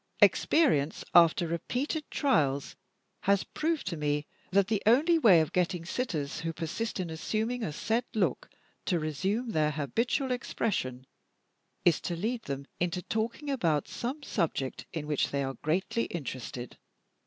Experience, after repeated trials, has proved to me that the only way of getting sitters who persist in assuming a set look to resume their habitual expression, is to lead them into talking about some subject in which they are greatly interested.